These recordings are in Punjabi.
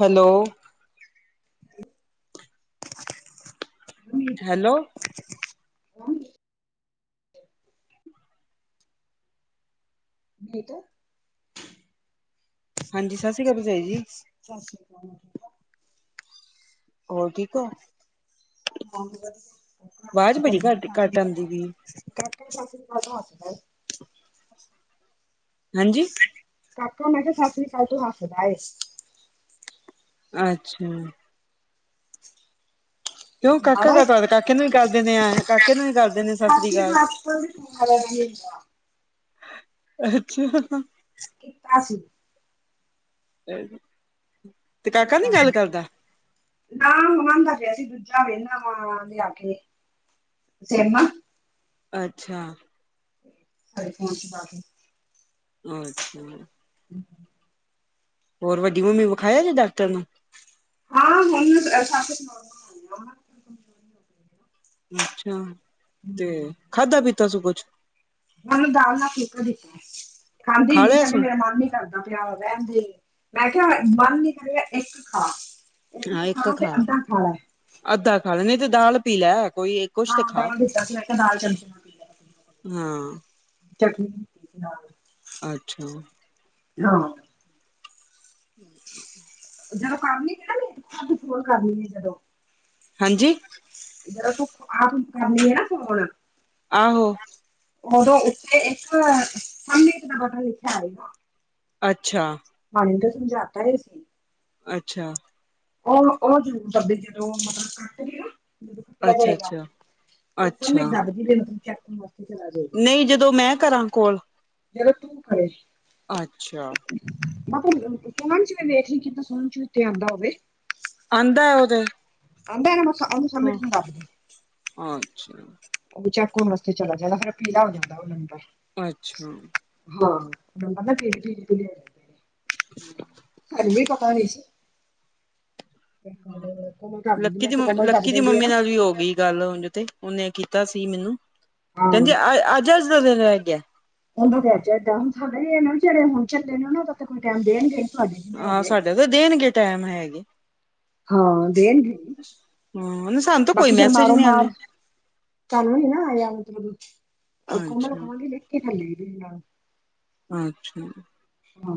ਹੈਲੋ। ਹੈਲੋ! ਹੂੰ। ਨੀਤੂ। ਹਾਂਜੀ, ਸਸ੍ਰੀ ਕਾਲ, ਭਰਜਾਈ ਜੀ। ਸਸ੍ਰੀ ਕਾਲ। ਹੋਰ ਠੀਕ ਓਂ? ਹਾਂ, ਵਦ ਵਾਜ ਬੜੀ ਘੱਟ-ਕੱਟ ਆਂਦੀ ਪਈ ਏ। ਕਾਕਾ ਸਸ੍ਰੀ ਕਾਲ ਤੋ ਹੱਸਦਾ ਏ, ਹਾਂਜੀ ਸਹੀ ਏ। ਕਾਕਾ 'ਮੈਂ' ਕੇਆ, ਸਸਰੀ ਕਾਲ ਤੋ ਹਸੱਦਾ ਏ। ਅੱਛਾ। ਮੈਂ ਕਿਉਂ ਕਿਹਾ ਕਾਕਾ ਮਾੜਾ ਏ ਕਾਤੋ ਹਸਦਾ, ਕਾਕੇ ਨੂੰ ਵੀ ਕਰ ਦੇਂਨੇ ਆ, ਕਾਕੇ ਨੂੰ ਵੀ ਕਰ ਦੇਂਨੇ ਆ, ਸਸ੍ਰੀ ਕਾਲ। ਹੈਲੋ, ਜੀ। ਅੱਛਾ। ਕੀਤਾ ਸੀ। ਏ ਜੀ, 'ਤੇ ਕਾਕਾ ਕੀਤਾ ਨੀ ਸੀ ਗੱਲ ਕਰਦਾ। ਨਾ ਮੰਗਵਾਦਾ ਪੇਆ ਸੀ ਦੂਜਾ ਵੇਨਾਂ ਵਾਂ, ਲਿਆਕੇ, ਸੇਮ ਆ। ਅੱਛਾ। ਆਈਫੋਨ ਚ ਲਾਕੇ। ਅੱਛਾ! ਹੂੰ ਹੋਰ, ਵੱਡੀ ਮੰਮੀ ਵਖਾਯਾ ਜੇ, ਡਾਕਟਰ ਨੂੰ? ਹਾਂ, ਹੁਣ ਸ ਸੁ [unintelligible] ਅੱਛਾ, ਤੇ ਖਾਧਾ-ਪੀਤਾ ਸੂ ਕੁਛ। ਓਨੂੰ ਦਾਲ ਨਾਲ ਫੁਲਕਾ ਦਿੱਤਾ, ਖਾਂਦੀ ਖਾ ਨੀ ਲਿਆ ਕੇਂਦੀ ਸੁ ਮੇਰਾ ਮਨ ਨੀ। ਕਰਦਾ ਪਯਾ ਰਹਿਣ ਦਯੋ, ਮੈਂ ਕਯਾ ਮਨ ਨੀ ਕਰੇਗਾ ਇੱਕ ਖਾ, ਹਾਂ ਨੀ ਇੱਕ ਖਾਣਾ ਤੇ ਖਾ, ਅੱਧਾ ਲੈ ਅੱਧਾ ਖਾ ਲੈ, ਨਹੀਂ ਤੇ ਦਾਲ ਪੀ ਲੈ ਕੋਈ, ਕੁਛ ਹਾਂ ਤੇ ਖਾ ਦਾਲ ਦਿੱਤਾ ਸੀ ਮੈਂ ਕਿਹਾ ਦਾਲ ਚਮਚੇ ਨਾਲ ਪੀ ਲੈ ਹਾਂ। ਚਟਨੀ ਹੁੰਦੀ ਨਾਲ ਅੱਛਾ! ਹਾਂ। ਹਮ [unintelligible] ਜਦੋਂ ਕਰਨੀ [unintelligible] ਕੋਲ ਕਰਨੀ ਹੈ ਜਦੋਂ'। ਹਾਂਜੀ! ਜਦੋਂ ਤੂੰ ਆਪ ਹੀ ਕਰਨੀ ਅ ਨਾ ਫੋਨ। ਆਹੋ। ਓਦੋਂ ਉੱਥੇ ਇੱਕ ਸਬਮਿੰਟ ਦਾ ਬਟਨ ਲਿਖਿਆ ਆਏਗਾ। ਅੱਛਾ। ਹਾਨੁ ਤੇ ਸਮਝਾ ਤਾ ਤੁਸੀ। ਅੱਛਾ। ਓਹ ਓਹ ਜ਼ਰੂਰ ਦੱਬੇ ਜਦੋਂ ਉਹ ਮਤਲਬ ਕੱਟ ਦੀ ਨਾ। ਜਦੋਂ ਕੱਟਿਆ ਅੱਛਾ ਜਾਏਗਾ, ਅੱਛਾ ਓਹ ਸਬਮਿਟ ਦੱਬਦੀ ਰਈ ਚੈਕਿੰਗ ਨਈ ਜਦੋਂ ਮੈਂ ਕਰਾਂ ਕੋਲ। ਜਦੋਂ ਤੂੰ ਕਰੇ। ਅੱਛਾ। ਮੈਂ ਕਿਆ ਸੁਣਨ ਚ ਵੀ ਦੇਖ ਲਈ, ਕਿਤੇ ਸੁਣਨ ਚ ਵੀ ਓਤੇ ਆਂਦਾ ਹੋਵੇ। ਆਂਦਾ ਓਹ ਤੇ ਆਂਦਾ [unintelligible] ਹਾਂ ਏਂਹੈ ਅੱਛਾ। ਓਹ ਚੈੱਕ ਹੋਣ ਵਾਸਤੇ ਚਲਾ ਜਾਂਦਾ ਫਿਰ ਪੀਲਾ ਹੋ ਜਾਂਦਾ ਓਹ ਨੰਬਰ। ਅੱਛਾ। ਹਾਂ, ਨੰਬਰ ਨਾ [unintelligible] ਇਹੀਓ ਪਤਾ ਨੀ ਸੀ। ਫਿਰ ਕਮਲ ਕਮਲ ਦੱਬ ਦਿੰਦੀ ਲੱਕੀ ਮੈਂ ਦੀ ਤਾਂ ਮਮ, ਕਮਲ ਦੱਬ ਲੱਕੀ ਦੀ ਦਿੰਦੀ ਹੈ ਮੰਮੀ ਨਾ ਨਾਲ ਵੀ ਹੋ ਗਈ। ਗੱਲ ਉਂਜ ਤੇ ਪਨੇ ਕੀਤਾ ਸੀ ਮੈਨੂੰ ਹਾਂ ਕੈਦੀ ਅ ਅੱਜ ਅੱਜ ਦਾ ਦਿਨ ਰਹਿ ਗਿਆ। [unintelligible] ਹੁਨ ਚੱਲੇ ਨੇ ਓਨਾ ਦਾ ਤੇ ਕੋਈ ਟਾਈਮ ਦੇਣਗੇ ਇ। ਆਹ ਸਾਡਾ ਤਾਂ ਦੇਣਗੇ ਟੈਮ ਹੈਗੇ। ਹਾਂ ਦੇਣਗੇ ਇ, ਹਾਂ ਸਾਨੂੰ ਤਾਂ ਕੋਈ ਬਾਕੀ ਚੱਲ ਮੈਸੇਜ ਮਾਰੋ ਨਹੀਂ ਮਾਰ, ਆਉਂਦੇ ਸਾਨੂੰ ਨੀ ਨਾ ਆਇਆ ਮਤਲਬ ਕੋਮਲ ਨੂੰ ਅੱਛਾ ਕਾਹਾ ਗੀ ਲਿਖ ਕੇ [unintelligible] ਅੱਛਾ। ਹਾਂ।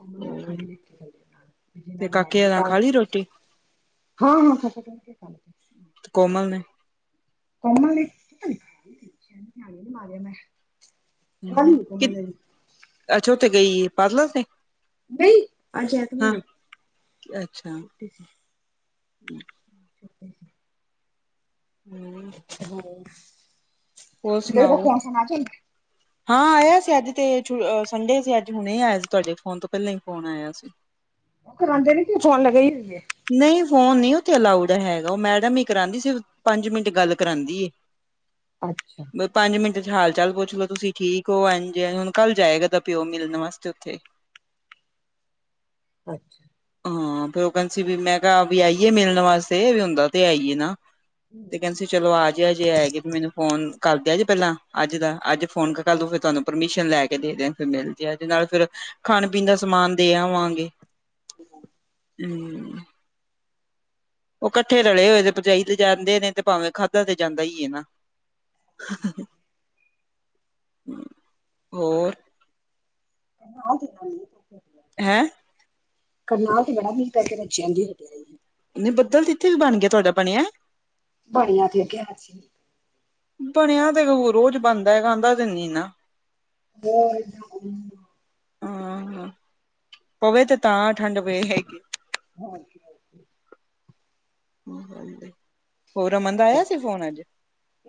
ਘੁੰਮਣ ਔਖਾਂ ਹੋਰ ਵੀ ਵੇਖ ਕੇ ਜਾਂਦੇ, ਨਾਲ ਵੀ ਤੇ ਕਾਕੇ ਨਾਲ ਖਾ ਲਈ ਰੋਟੀ [unintelligible] ਹਾਂ-ਹਾਂ ਮੈਂ ਕ ਕੋਮਲ ਨੇ। ਕਮਲ ਨੇ [unintelligible] ਝਾੜੂ ਨੀ ਮਾਰਿਆ ਮੈਂ'। ਹੂ- ਹੂ ਖਾਲੀ ਕਿ ਕੋਮਲ ਨੇ ਅੱਛਾ ਓਥੇ ਗਈ ਹੈ ਪਾਰਲਰ ਤੇ ਨਹੀਂ, ਅੱਜ ਹਾਂ ਐਤਵਾਰ ਏ, ਅੱਛਾ ਛੁੱਟੀ ਸੀ। ਛੁੱਟੀ ਸਿ ਹੋਰ! ਹੋਰ, ਦੇ ਸੁਣਾਓ [unintelligible] ਨਾ ਚਲ। ਹਾਂ, ਆਇਆ ਸੀ, ਅੱਜ ਤੇ ਸੰਡੇ ਸੀ ਅੱਜ ਹੁਣੇ ਆਇਆ ਸੀ, ਤੁਹਾਡੇ ਫੋਨ ਤੋਂ ਪਹਿਲਾਂ ਹੀ ਫੋਨ ਆਇਆ ਸੀ। ਕਰਾਂਂਦੇ ਨੇ ਕਿ ਫੋਨ ਨਾਲ ਲਗੀ ਰਹਦੀ ਏ। ਨਹੀਂ, ਫੋਨ ਨਹੀਂ ਉੱਥੇ ਅਲਾਊਡ ਹੈਗਾ, ਉਹ ਮੈਡਮ ਹੀ ਕਰਾਂਦੀ ਸਿਰਫ ਪੰਜ ਮਿੰਟ ਗੱਲ ਕਰਾਂਦੀ ਏ। ਅੱਛਾ। ਪੰਜ ਮਿੰਟ ਚ ਹਾਲ-ਚਾਲ ਪੁੱਛ ਲੋ ਤੁਸੀਂ ਠੀਕ ਹੋਂ ਇਨਜ ਹੈ, ਹੁਣ ਕੱਲ ਜਾਏਗਾ ਇਦਾ ਪਿਓ ਮਿਲਣ ਵਾਸਤੇ ਉੱਥੇ। ਅੱਛਾ। ਹਾਂ, ਫਿਰ ਉਹ ਕਹਿੰਦੇ ਸੀ ਵੀ ਮੈਂ ਕਿਹਾ ਵੀ ਆਈਏ ਮਿਲਣ ਵਾਸਤੇ ਵੀ ਹੁਦਾ ਤੇ ਆਈਏ ਨਾ। ਤੇ ਕਹਿੰਦਾ ਸੀ। ਚਲੋ ਆਜਾਯੇ ਜੇ, ਆਇਆ ਗੇ, ਮੈਨੂੰ ਫੋਨ ਕਰ ਦਿਓ ਜੇ ਪਹਿਲਾਂ ਅੱਜ ਦਾ ਅੱਜ ਫੋਨ ਕਰ ਦੋ ਕਲ ਤੋ ਫਿਰ ਤੁਹਾਨੂੰ ਪਰਮਿਸ਼ਨ ਲੈ ਕੇ ਦੇ ਦੇਯਾਗੇ, ਫਿਰ ਮਿਲਜਾਯੇ ਜੇ ਨਾਲ ਫਿਰ ਖਾਣ-ਪੀਣ ਦਾ ਸਮਾਨ ਦੇ ਆਵਾਂਗੇ। ਠੀਕ ਹੈ। ਹੂੰ। ਉਹ ਇਕੱਠੇ ਰਲੇ ਹੋਏ ਤੇ ਪਚਾਈ ਤੇ ਜਾਂਦੇ ਨੇ ਤੇ ਭਾਵੇਂ ਖਾਧਾ ਤੇ ਜਾਂਦਾ ਹੀ ਹੈ ਨਾ। ਹੂੰ, ਹੋਰ। ਨਾਲ ਦੇ ਨਾਲ ਭੁਖ ਲਗੀ ਏ। ਹੈਂ। ਕਰਨਾਲ ਤੇ ਬੜਾ ਮੀਂਹ ਪੈ ਕੇ ਹਟਿਆ ਜੀ। ਨੀ ਬੱਦਲਥ ਤੇ ਇਥੇ ਵੀ ਬਣ ਗਿਆ, ਤੁਹਾਡਾ ਬਣਿਆ। ਬਣਿਆ ਤੇ ਅੱਗੇ ਹੱਥ ਸੀ ਬਣਿਆ ਤੇ ਰੋਜ਼ ਬਣਦਾ ਏ, ਆਦਾ ਤੇ ਨਹੀਂ ਨਾਂ। ਵਾਹਿਗੁਰੂ। ਹਾਂ, ਪਵੇ ਤੇ ਤਾਂ ਠੰਡ ਪਏ ਹੈਗੀ। ਹਾਂਜੀ-ਹਾਂਜੀ। ਹੋਰ ਰਮਨ ਦਾ ਆਇਆ ਸੀ ਫੋਨ ਅੱਜ।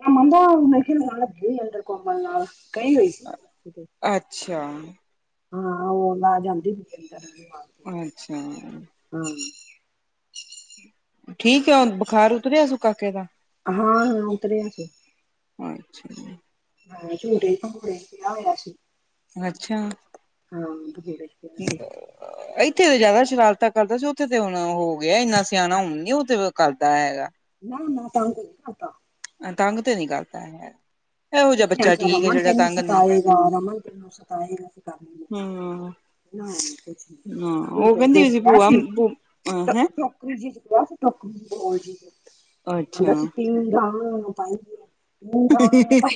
ਰਮਨ ਦਾ ਮੇਰੇ ਖਿਆਲ ਕੋਮਲ ਨਾਲ ਕਈ ਹੋਈ ਸੀ। ਕੀਤੇ? ਅੱਛਾ। ਹਾਂ, ਉਹ ਆ ਜਾਂਦੀ ਪਿਛੇ [unintelligible] ਬਾਦ ਅੱਛਾ। ਹਾਂ। ਠੀਕ ਆ, ਉਨ ਬੁਖਾਰ ਉਤਰਿਆ ਕਾਕੇ ਦਾ। ਹਾਂ, ਹੁਨ ਉਤਰਿਆ ਸੀ। ਅੱਛਾ ਜੀ। ਹ ਝੂਟੇ ਪਗੂੜੇ ਪਿਹਾਂ ਹੋਇਆ ਸੀ। ਅੱਛਾ। ਹਾਂ ਭੰਗੂੜੇ ਪਿਆ ਸੀ ਇੱਥੇ ਤੇ ਜ਼ਿਆਦਾ ਸ਼ਰਾਰਤਾ ਕਰਦਾ ਸੀ ਉੱਥੇ ਤੇ ਹੁਣ ਹੋ ਗਿਆ ਇੰਨਾ ਸਿਆਣਾ ਹੁਣ ਨੀ ਉਹਥੇ ਕਰਦਾ ਹੈਗਾ। ਨਾ-ਨਾ, ਤਂਗ ਕੋਨੀ ਕਰਦਾ। ਤੰਗ ਤੇ ਨੀ ਕਰਦਾ ਏਵੇ। ਅੱਛ ਅੱਛਾ [unintelligible] ਰਮਨ ਤੈਨੂੰ ਨੀ ਸਤਾਏਗਾ ਰਮਨ ਤੈਨੂੰ ਸਤਾਏਗਾ ਰਖਦਾ ਹਾਂ [unintelligible] ਹਾਂ ਨਹੀਂਛ ਨਹੀਂ ਉਹ ਟ ਕਹਿੰਦੀ ਹੋਈ ਜ ਭੂਆ ਸੀ ਹੈਂ [unintelligible] ਰੀ ਜੀ ਸੀੋਕਰੀ ਅੱਛਾ ਕਹਿੰਦਾ ਸੀ ਤਿੰ ਪਾਈ [unintelligible] ਹਗਾ [unintelligible] ਹੀ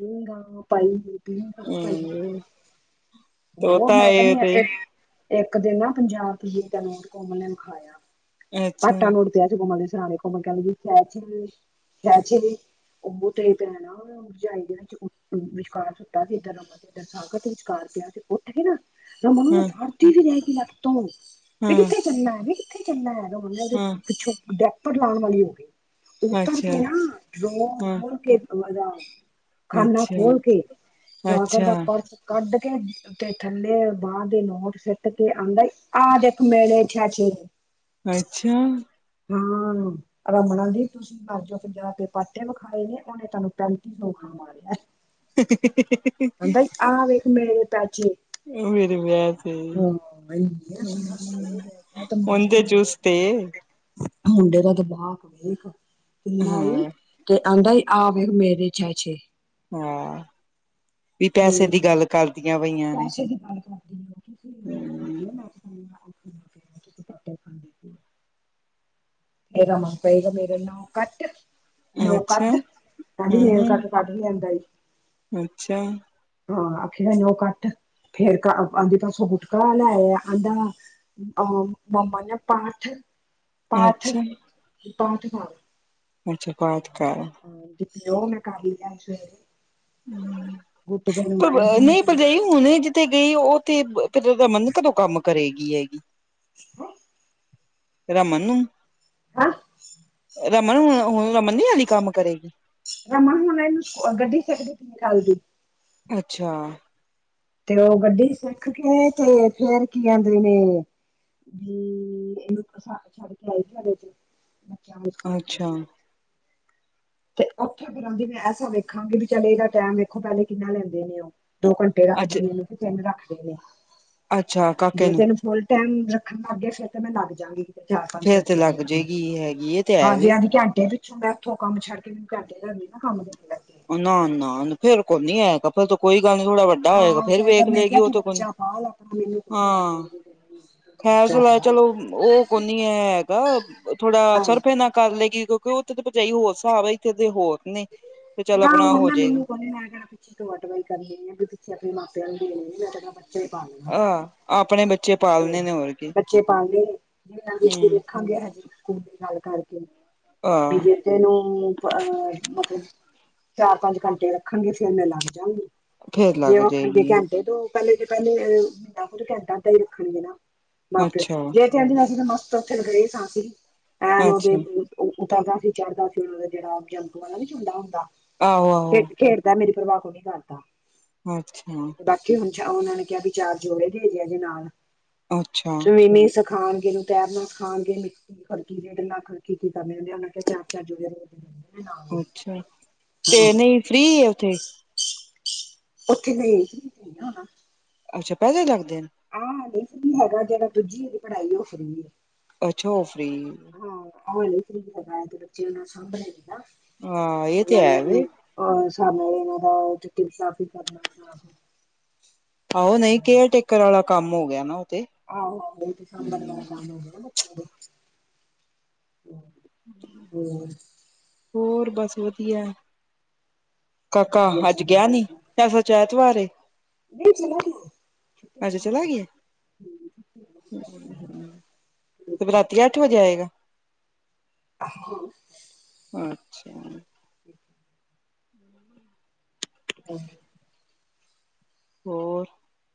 ਹੈ ਗਾ [unintelligible] ਪਾਈ ਹਮ ਉਹ ਤੋਤਾ ਮੈਂ ਏ ਕਹਣੀ ਤੇ [unintelligible] ਇੱਕ ਦਿਨ ਨਾ ਪੰਜਾਬ ਦਾ ਨੋਟ ਕੋਮਲ ਨੇ ਵਿਖਾਇਆ ਅੱਛਾ [unintelligible] [unintelligible] ਕੋਮਲ ਦੇ ਸਰਾਣੇ ਕੋਮਲ ਕਹਿੰਣ ਲਗੀ [unintelligible] ਔ ਤੇਰੇ ਪੈਣਾ ਉਹ ਰਜਾਈ ਦੇ ਵਿੱਚ ਵਿਚਕਾਰ ਸੁੱਤਾ ਸੀ ਰਮਨ [unintelligible] ਵਿਚਕਾਰ ਪਿਆ ਤੇ ਉੱਠ ਕੇ ਨਾ ਰਮਨ [unintelligible] ਹਮ ਉਠੀ ਜੀ ਰਹਿ ਗਈ ਲੱਤੋਂ ਤੋਂ ਕਿੱਥੇ ਚੱਲਨਾ ਵੀ ਕਿੱਥੇ ਚੱਲਣਾ ਹਾਂ ਪਿੱਛੋਂ [unintelligible] ਉੱਪਰ ਲਾਉਣ ਵਾਲੀ ਹੋ ਗਈ ਉੱਤਰ ਅੱਛਾ ਕੇ ਨਾ ਹਾਂ [unintelligible] ਖਾਨਾ ਅੱਛਾ ਖੋਲ ਕੇ ਲੋਕਰ [unintelligible] ਅੱਛਾ ਦਾ ਪਰਸ ਕੱਢ ਕੇ ਤੇ ਥੱਲੇ ਬਾਰ ਦੇ ਨੋਟ ਸਿੱਟ ਕੇ ਆਂਦਾ ਈ ਆ ਦੇਖ ਮੇਲੇ ਛਿਆ ਛੇ [unintelligible] ਅੱਛਾ ਹਾਂ ਰਮਨ ਆਂਦੀ ਤੁਸੀਂ ਘਰ ਜੋ ਪੰਜਾ ਦੇ ਪਾਟੇ ਵਿਖਾਏ ਨੇ ਉਹਨੇ ਤੁਹਾਨੂੰ ਪੈਂਤੀ ਸੌ ਆਂਦਾ ਈ ਆ ਵੇਖ ਮੇਰੇ ਪੈਚੇ ਮੇਰੇ ਵਿਆ ਤੇ ਇੰਨੇ ਅਸੀਂ ਹੱਸੇ ਮੈਂ ਕਿਹਾ ਦਿਮਾਗ ਮੁਦੇ ਮੁੰਡੇ ਚੂਸ ਤੇ ਮੁੰਡੇ ਦਾ ਦਬਾਕ ਵੇਖ ਕਿੰਨਾ ਈ ਹਾਂ ਤੇ ਆਂਦਾ ਈ ਆ ਵੇਖ ਮੇਰੇ ਛੇਛੇ ਹਾਂ ਵੀ ਪੈਸੇ ਦੀ ਗੱਲ ਕਰਦੀਆਂ ਪਈਆਂ ਨੇ [unintelligible] ਹਮ ੇ [unintelligible] ਇਹ ਰਮ ਕਏਗਾ ਮੇਰੇ ਨਾਲੋਂ ਕੱਟ ਨੋ ਅੱਛਾ ਕੱਟ ਕਹਿੰਦੀ ਨੇਲ ਹੂੰ ਕੱਟ ਕੱਟ ਵੀ ਲੈਂਦਾ ਈ ਅੱਛਾ ਹਾਂ ਆਖੀਦਾ ਨੋਹ ਕੱਟ ਫੇਰ ਕਹਦੇ ਪਾਸੋਂ ਗੁਟਕਾ ਲੈ ਆ ਆਹਦਾ ਅਹ ਮੰਮਾ ਨੇ ਪਾਠ ਪਾਠ ਅੱਛਾ ਪਾਠ ਪਾ ਅੱਛਾ ਪਾਠ ਕਰ ਹਾਂ ਉਹ ਮੈਂ ਕਾਲ [unintelligible] ਵਾਹਿਗੁਰੂ ਨਹੀਂ ਜੀ ਭਰਜਾਈ ਹੁਨੇ ਜਿ ਤੇ ਗਈ ਉਹ ਤੇ ਫਿਰ ਉਹਦਾ [unintelligible] ਮਨ ਕਦੋਂ ਕੰਮ ਕਰੇਗੀ ਹੈਗੀ। ਹੂੰ। [unintelligible] ਰਮਨ ਨੂੰ ਹੈਂ [unintelligible] ਰਮਨ ਹੁਣ ਹੁਣ ਰਮਨ ਨੀ ਲੀ ਕੰਮ ਕਰੇਗੀ ਰਮਨ ਹੁਣੇ ਇਹਨੂੰ ਗੱਡੀ ਸਿੱਖਦੀ ਪਈ ਕੱਲ ਦੀ ਅੱਛਾ ਤੇ ਉਹ ਗੱਡੀ ਸਿੱਖ ਕੇ ਤੇ ਫੇਰ ਕੀ ਆਹੰਦੇ ਨੇ ਹਮ ਵੀ ਇਹਨੂੰ ਛੱਡ ਕੇ ਆਈ ਸੀ ਸਾਡੇ ਚ ਬੱਚਿਆਂ ਨੂੰ ਸਕੂਲ ਚ ਅੱਛਾ ਤੇ ਉੱਥੇ ਬਾਂਦੀ [unintelligible] ਮੈਂ ਐਸਾ ਵੇਖਾਂਗੀ ਚੱਲ ਇਹਦਾ ਟੈਮ ਵੇਖੋ ਪਹਿਲੇ ਕਿੰਨਾ ਲੈਂਦੇ ਨੇ ਉਹ। ਦੋ ਘੰਟੇ ਰੱਖਦੇ ਅੱਛਾ ਨੇ ਇਹਨੂੰ ਕਿ ਤਿੰਨ ਰੱਖਦੇ ਨੇ ਅੱਛਾ ਕਾਕੇ ਜੇ ਨੂੰ ਤੈਨੂੰ ਫੁੱਲ ਟੈਮ ਰੱਖਣ ਲੱਗਗੇ ਫੇਰ ਤਾਂ ਮੈਂ ਲੱਗ ਜਾਂਗੀ ਚਾਰ ਪੰਜ ਫੇਰ ਤੇ ਘੰਟਿਆਂ ਦਾ ਲੱਗ ਕੰਮ ਤੇ ਜਾਏਗੀ ਹੈਗੀ ਇਹ ਤੇ ਹੈ ਹਾਂਜੀ ਵੇ ਹਾਂਜੀ ਘੰਟੇ [inaudible] ਡਾੱਥ ਕੰਮ ਛੱਡ ਕੇ ਘੰਟੇ ਘੰਟੇ ਦਾ ਕੰਮ ਹੁੰਦਾ। [unintelligible] ਨਾ ਨਾ ਫੇਰ ਕੋਈ ਨੀ ਹੈਗਾ ਫਿਰ ਤਾਂ ਕੋਈ ਗੱਲ ਨੀ ਥੋੜਾ ਵਾ ਹਾਂ ਸਾਗਰ ਨੇ ਕਿਹਾ ਕਿ ਬੱਚਾ ਪਾਲ ਆਪਣਾ ਮੈਨੂੰ ਕੋਈ ਖੈਰ ਬੱਚਾ ਚਲਾ ਪਾਲ ਚਲੋ ਉਹ ਕੋ ਨ ਹੈ ਹੈਗਾ ਥੋੜਾ ਹਾਂ ਸਰਫੇ ਨਾ ਕਰ ਲਏਗੀ ਕਿਉਂਕਿ ਉਹ ਥੇ ਭਜਾਈ ਹੋਰ ਹਿਸਾਬ ਹੈ ਇੱਥੇ ਦੇ ਹੋਰ ਨੇ। ਤੇ ਚੱਲ ਨਾ ਆਪਣਾ ਹ ਹੋ ਨਾ ਜਾਏਗੀ ਮੈਨੂੰ ਕਨ ਲਣਾ ਪਿੱਛੇਟਵਾਈ ਕਰੀ ਆ ਪਿੱਛੇ ਆਪਣੇ ਮਾਪਿਆਂ ਨੂੰ ਦੇ ਮੈਂ [unintelligible] ਬੱਚੇ ਪਾਣੇ ਆ ਆਹ ਆਪਣੇ ਬੱਚੇ ਤੇ ਪਾਲਣੇ ਨੇ ਹੋਰ ਕੀ ਬੱਚੇ ਪਾਲਣੇ ਤੇ ਹਮ ਖਾਂਦੇ ਹੈ ਨੀ ਕੱਖ ਸਕ ਦੀ ਗੱਲ ਕਰਕੇ ਆਹ ਬਜੇਤੇ ਨੂੰ ਅਹ ਮਤਲਬ ਚਾਰ ਪੰਜ ਘੰਟੇ ਰੱਖਣਗੇ ਫੇਰ ਮੈਂ ਲੱਗ ਜਾਗੀ ਫੇਰ ਜੇ ਲੱਗ ਉਹ ਰੱਖਣਗੇ ਜਾਏਗੀ ਘੰਟੇ ਡੇ ਤੋਂ ਪਹਿਲੇ ਜ ਪਹਿਲੇ ਮਹੀਨਾ ਕੁੱਝ ਘੰਟਾ ਤਾਂ ਹੀ ਰੱਖਣਗੇ ਨਾ ਮਾਂ ਪਿਓ ਅੱਛਾ ਜੇ ਕਹਿੰਦੀਆਂ ਸੀ ਤੇ ਮਸਤ ਉੱਥੇ ਗਏ ਸਾਂ ਅਸੀ ਭੈਣ ਉਹਦੇ ਅੱਛਾ [unintelligible] ਉਹ ਉਦਦਾ ਸੀ ਚੜਦਾ ਸੀ ਉਹਨਾ ਦਾ ਜਿਹੜਾ ਆਦਾ ਨ ਝੂਲਾ ਹੁੰਦਾ। ਆਹੋ ਖੇ ਆਹੋ ਖੇਡਦਾ ਮੇਰੀ ਪਰਵਾਹ ਕੋ ਨੀ ਕਰਦਾ। ਅੱਛਾ। ਤੇ ਬਾਕੀ ਹੁਣ ਉਹਨਾ ਨੇ ਕਿਹਾ ਵੀ ਚਾਰ ਜੋੜੇ ਦੇ ਦੇਆ ਜੇ ਨਾਲ ਅੱਛਾ ਖਾਣਗੇ ਨੂੰ ਤੈਰਨਾ ਖਾਣਗੇ ਮਿੱਖੜਕੀ ਡੇਢ ਲੱਖ ਖੜਕੀ ਕੀ ਕਰਨੇ ਹੁੰਦੇ ਆ ਉਹ ਕਿਹਾ ਚਾਰ ਚਾਰ ਹੋ ਰੋ [inaudible] ਨਾਲ ਅੱਛਾ ਤੇ ਨਹੀਂ ਫ੍ਰਰੀ ਏ ਉੱਥੇ। ਉੱਥੇ ਨਈਂ ਹੋਨਾ ਅੱਛਾ [unintelligible] ਲਗਦੇ ਆ। ੍ [unintelligible] ਅੱਛਾ ਓ ਫਰੀ ਹਾਂ [unintelligible] ਹਾਂ ਇਹ ਤੇ ਹੈ ਨਾਲਨੂੰ ਵੇ ਹਿਸਾਬ ਨਾਲ ਇਹਨਾਂ ਦਾ [unintelligible] ਆਹੋ ਨਹੀਂ ਕੇਅਰ ਟੇਕਰ ਵਾਲਾ ਕੰਮ ਹੋ ਗਿਆ, ਨਾ ਉਹ ਤੇ ਆਹੋ ਬਮ [unintelligible] ਹੋਰ ਹੋਰ ਬਸ ਵਧੀਆ। ਕਾਕਾ ਵਧੀਆ ਅੱਜ ਚੱਲ ਗਿਆ ਨੀ, ਅੱਜ ਸੱਚ ਐਤਵਾਰ ਏ। ਨਹੀ ਚਲਾ ਅੱਜ ਚਲਾ ਗਿਆ। ਗਿਆ ਤੇ ਫੇਰ ਰਾਤੀ ਅੱਠ ਵਜੇ ਆਏਗਾ [inaudible] ਅੱਛਾ। ਼ [inaudible] [inaudible] [unintelligible] ਹੋਰ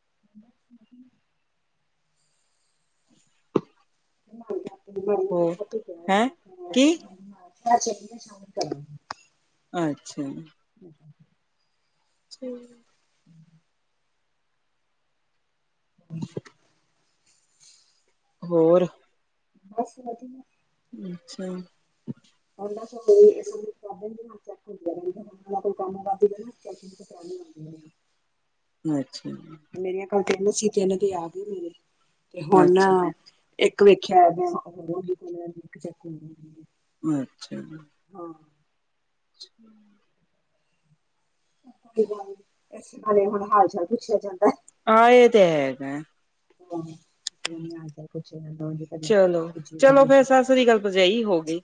[inaudible] [inaudible] ਹੋਰ ਹੈਂ ਕੀ [unintelligible] ਅੱਛਾ ਜ। [inaudible] ਠੀਕ। [inaudible] [inaudible] ਹੋਰ। ਬਸ ਵਧੀਆ। ਅੱਛਾ। [unintelligible] [unintelligible] ਅੱਛਾ। ਮੇਰੀਆਂ ਕੱਲ ਤਿੰਨ ਸੀ, ਤਿੰਨ ਤੇ ਆ ਗਈ। ਤੇ ਹੁਣ ਅੱਛਾ ਇੱਕ ਵੇਖਿਆਂ ਅੱਛਾ। ਹਾਂ। [unintelligible] [unintelligible] ਹੁਣ ਹਾਲ ਚਾਲ ਪੁੱਛਿਆ ਜਾਂਦਾ ਹਾਂ, ਇਹ ਤੇ ਹੈਗਾ। ਭੈਣ [unintelligible] ਚਲੋ ਪੁੱਛੀਦਾ ਚਲੋ ਨੀ ਫਿਰ ਸੀ। ਸਤਿ ਸ੍ਰੀ ਆਕਾਲ ਭਰਜਾਈ ਹੋ ਗਈ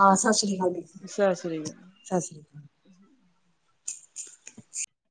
ਹਾਂ, ਸਤਿ ਸ੍ਰੀ ਅਕਾਲ ਜੀ। ਚੱਲ ਸੋਈਏ ਸਤਿ ਸ਼੍ਰੀ ਅਕਾਲ।